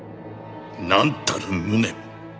「なんたる無念」